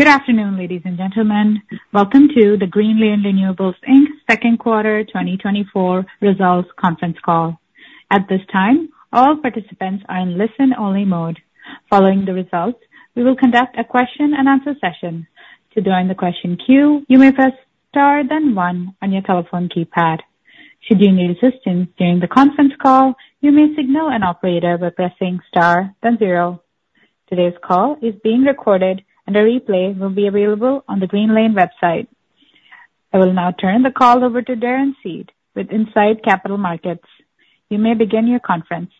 Good afternoon, ladies and gentlemen. Welcome to the Greenlane Renewables Inc's Second Quarter 2024 Results Conference Call. At this time, all participants are in listen-only mode. Following the results, we will conduct a question-and-answer session. To join the question queue, you may press star, then one on your telephone keypad. Should you need assistance during the conference call, you may signal an operator by pressing star, then zero. Today's call is being recorded, and a replay will be available on the Greenlane website. I will now turn the call over to Darren Seed with Incite Capital Markets. You may begin your conference.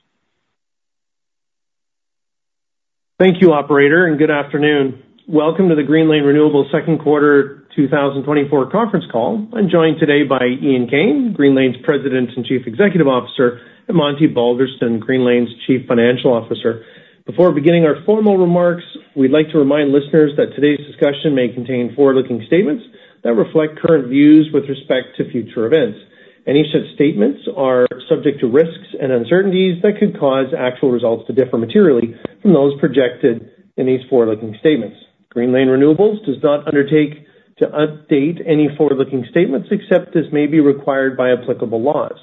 Thank you, operator, and good afternoon. Welcome to the Greenlane Renewables Second Quarter 2024 Conference Call. I'm joined today by Ian Kane, Greenlane's President and Chief Executive Officer, and Monty Balderston, Greenlane's Chief Financial Officer. Before beginning our formal remarks, we'd like to remind listeners that today's discussion may contain forward-looking statements that reflect current views with respect to future events. Any such statements are subject to risks and uncertainties that could cause actual results to differ materially from those projected in these forward-looking statements. Greenlane Renewables does not undertake to update any forward-looking statements, except as may be required by applicable laws.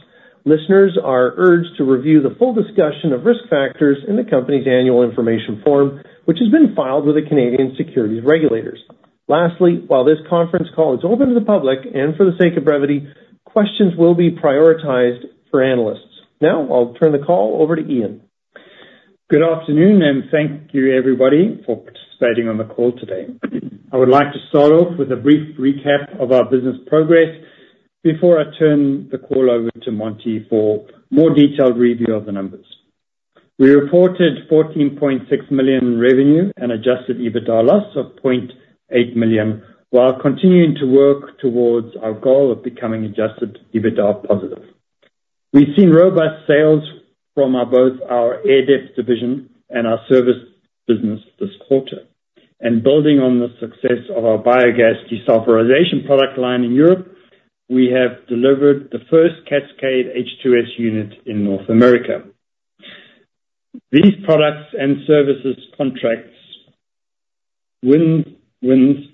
Listeners are urged to review the full discussion of risk factors in the company's Annual Information Form, which has been filed with the Canadian Securities Regulators. Lastly, while this conference call is open to the public, and for the sake of brevity, questions will be prioritized for analysts. Now, I'll turn the call over to Ian. Good afternoon, and thank you, everybody, for participating on the call today. I would like to start off with a brief recap of our business progress before I turn the call over to Monty for more detailed review of the numbers. We reported 14.6 million in revenue and adjusted EBITDA loss of 0.8 million, while continuing to work towards our goal of becoming adjusted EBITDA positive. We've seen robust sales from our, both our Airdep division and our service business this quarter, and building on the success of our biogas desulfurization product line in Europe, we have delivered the first Cascade H2S unit in North America. These products and services contracts win-wins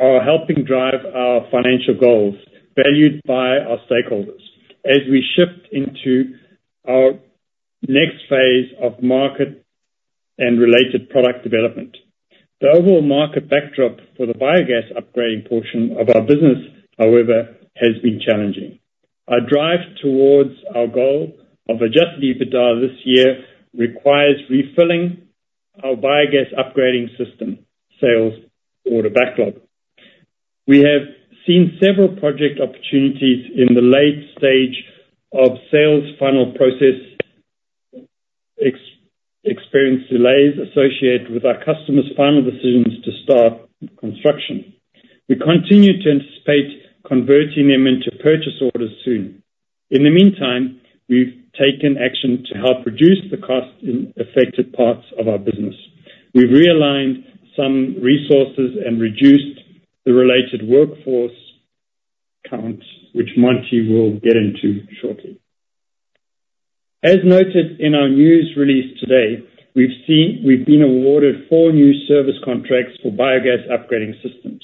are helping drive our financial goals, valued by our stakeholders as we shift into our next phase of market and related product development. The overall market backdrop for the biogas upgrading portion of our business, however, has been challenging. Our drive towards our goal of adjusted EBITDA this year requires refilling our biogas upgrading system sales order backlog. We have seen several project opportunities in the late stage of sales final process, experienced delays associated with our customers' final decisions to start construction. We continue to anticipate converting them into purchase orders soon. In the meantime, we've taken action to help reduce the cost in affected parts of our business. We've realigned some resources and reduced the related workforce count, which Monty will get into shortly. As noted in our news release today, we've seen. We've been awarded four new service contracts for biogas upgrading systems.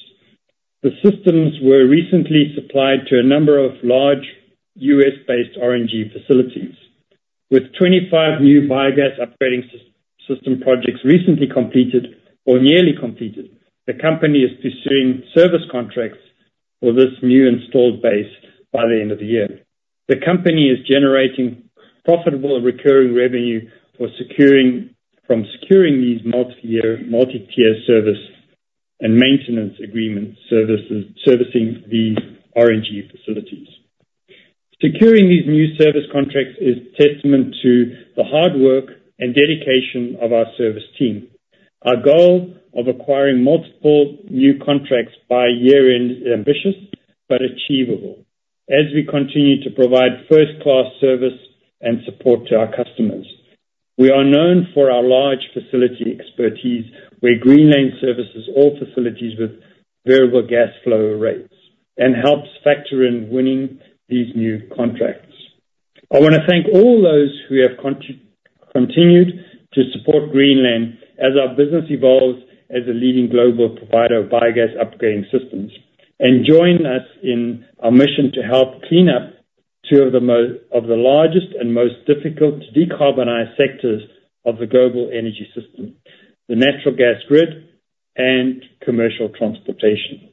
The systems were recently supplied to a number of large U.S.-based RNG facilities. With 25 new biogas upgrading system projects recently completed or nearly completed, the company is pursuing service contracts for this new installed base by the end of the year. The company is generating profitable and recurring revenue for securing, from securing these multi-year, multi-tier service and maintenance agreement services, servicing the RNG facilities. Securing these new service contracts is testament to the hard work and dedication of our service team. Our goal of acquiring multiple new contracts by year-end is ambitious but achievable, as we continue to provide first-class service and support to our customers. We are known for our large facility expertise, where Greenlane services all facilities with variable gas flow rates and helps factor in winning these new contracts. I want to thank all those who have continued to support Greenlane as our business evolves as a leading global provider of biogas upgrading systems, and join us in our mission to help clean up two of the largest and most difficult to decarbonize sectors of the global energy system, the natural gas grid and commercial transportation.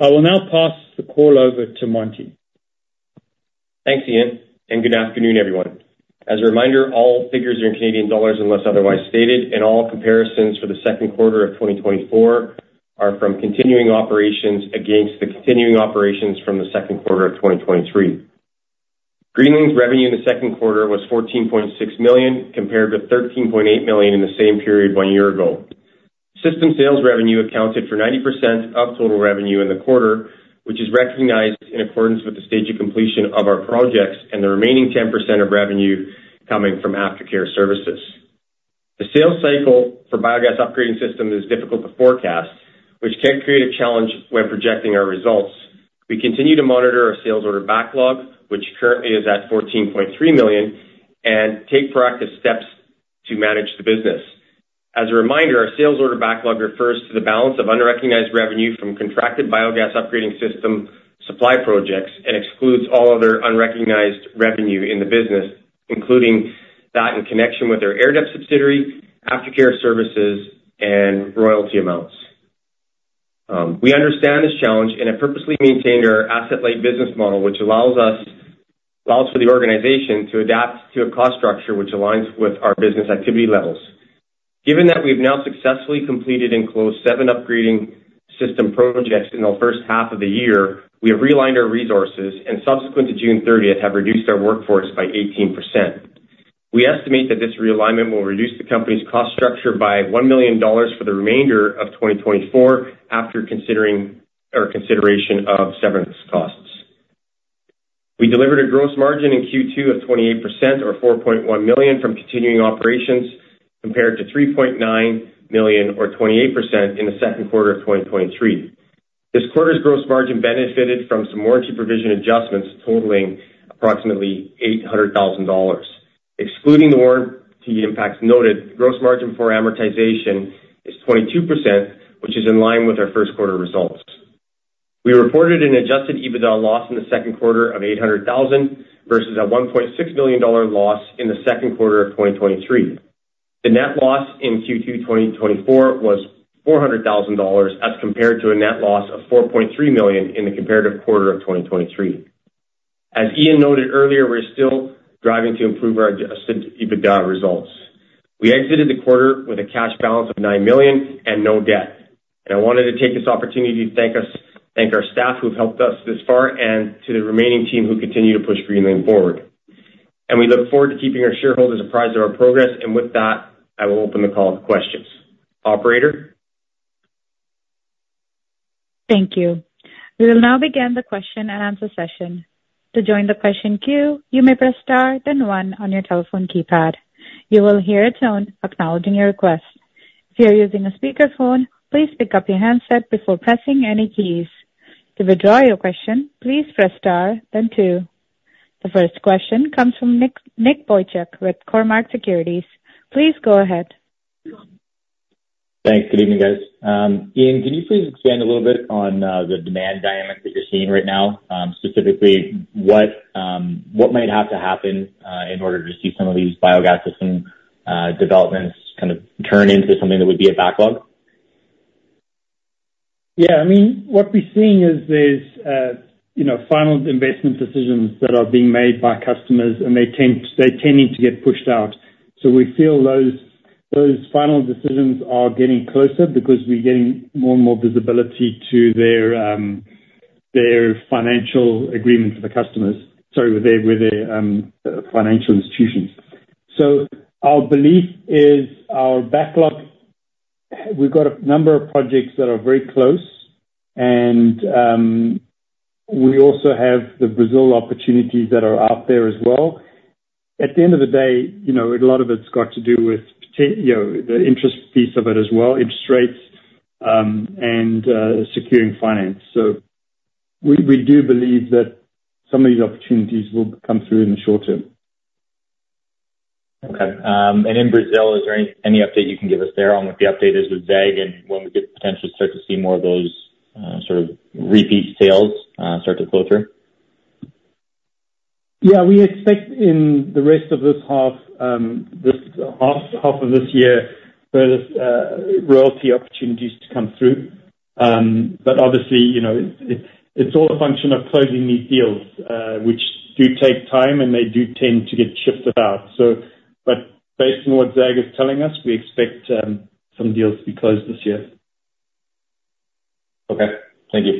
I will now pass the call over to Monty. Thanks, Ian, and good afternoon, everyone. As a reminder, all figures are in Canadian dollars unless otherwise stated, and all comparisons for the second quarter of 2024 are from continuing operations against the continuing operations from the second quarter of 2023. Greenlane's revenue in the second quarter was 14.6 million, compared to 13.8 million in the same period one year ago. System sales revenue accounted for 90% of total revenue in the quarter, which is recognized in accordance with the stage of completion of our projects and the remaining 10% of revenue coming from aftercare services. The sales cycle for biogas upgrading system is difficult to forecast, which can create a challenge when projecting our results. We continue to monitor our sales order backlog, which currently is at 14.3 million, and take proactive steps to manage the business. As a reminder, our sales order backlog refers to the balance of unrecognized revenue from contracted biogas upgrading system supply projects and excludes all other unrecognized revenue in the business, including that in connection with our Airdep subsidiary, aftercare services, and royalty amounts. We understand this challenge and have purposely maintained our asset-light business model, which allows us, allows for the organization to adapt to a cost structure which aligns with our business activity levels. Given that we've now successfully completed and closed seven upgrading system projects in the first half of the year, we have realigned our resources, and subsequent to June 30th, have reduced our workforce by 18%. We estimate that this realignment will reduce the company's cost structure by 1 million dollars for the remainder of 2024, after considering or consideration of severance costs. We delivered a gross margin in Q2 of 28% or 4.1 million from continuing operations, compared to 3.9 million or 28% in the second quarter of 2023. This quarter's gross margin benefited from some warranty provision adjustments totaling approximately 800,000 dollars. Excluding the warranty impacts noted, gross margin before amortization is 22%, which is in line with our first quarter results. We reported an adjusted EBITDA loss in the second quarter of 800,000 versus a 1.6 million dollar loss in the second quarter of 2023. The net loss in Q2 2024 was 400,000 dollars and, as compared to a net loss of 4.3 million in the comparative quarter of 2023. As Ian noted earlier, we're still driving to improve our adjusted EBITDA results. We exited the quarter with a cash balance of 9 million and no debt, and I wanted to take this opportunity to thank our staff who have helped us this far and to the remaining team who continue to push Greenlane forward. We look forward to keeping our shareholders apprised of our progress, and with that, I will open the call up to questions. Operator? Thank you. We will now begin the question and answer session. To join the question queue, you may press star then one on your telephone keypad. You will hear a tone acknowledging your request. If you are using a speakerphone, please pick up your handset before pressing any keys. To withdraw your question, please press star then two. The first question comes from Nick Boychuk with Cormark Securities. Please go ahead. Thanks. Good evening, guys. Ian, can you please expand a little bit on the demand dynamic that you're seeing right now? Specifically, what might have to happen in order to see some of these biogas system developments kind of turn into something that would be a backlog? Yeah, I mean, what we're seeing is there's, you know, final investment decisions that are being made by customers, and they tend, they're tending to get pushed out. So we feel those, those final decisions are getting closer because we're getting more and more visibility to their financial agreements with the customers, sorry, with their financial institutions. So our belief is our backlog, we've got a number of projects that are very close. And we also have the Brazil opportunities that are out there as well. At the end of the day, you know, a lot of it's got to do with you know, the interest piece of it as well, interest rates, and, securing finance. So we, we do believe that some of these opportunities will come through in the short term. Okay, and in Brazil, is there any update you can give us there on what the update is with ZEG and when we could potentially start to see more of those sort of repeat sales start to flow through? Yeah, we expect in the rest of this half of this year for those royalty opportunities to come through. But obviously, you know, it's all a function of closing these deals, which do take time, and they do tend to get shifted out. So, but based on what ZEG is telling us, we expect some deals to be closed this year. Okay. Thank you.